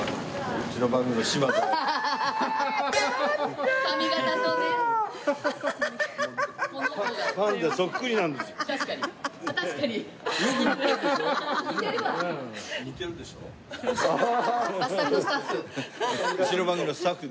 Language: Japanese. うちの番組のスタッフでね。